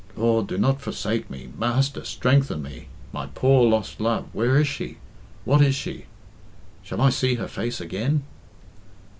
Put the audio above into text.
"Lord, do not forsake me! Master, strengthen me! My poor lost love, where is she? What is she? Shall I see her face again?"